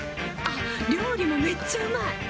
あっ料理もめっちゃうまい！